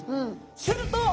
すると！